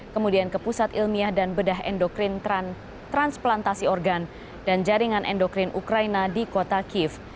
kemudian ke pusat ilmiah dan bedah endokrin transplantasi organ dan jaringan endokrin ukraina di kota kiev